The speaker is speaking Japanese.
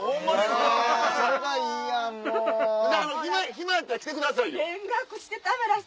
暇やったら来てくださいよ。